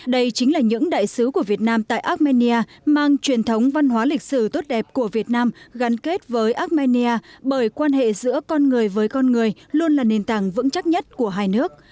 đây chính là những đại sứ của việt nam tại armenia mang truyền thống văn hóa lịch sử tốt đẹp của việt nam gắn kết với armenia bởi quan hệ giữa con người với con người luôn là nền tảng vững chắc nhất của hai nước